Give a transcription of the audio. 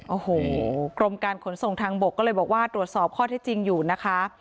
โอ้โหกรมการขนส่งทางบกก็เลยบอกว่าตรวจสอบข้อที่จริงอยู่นะคะ